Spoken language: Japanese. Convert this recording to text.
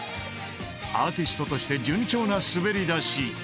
［アーティストとして順調な滑り出し］